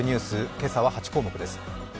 今朝は８項目です。